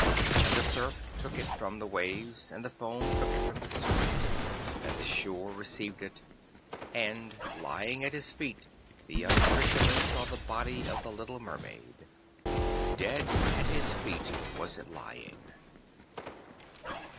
And the surf took it from the waves, and the foam took it from the surf, and the shore received it, and lying at his feet the young Fisherman saw the body of the little Mermaid. Dead at his feet it was lying.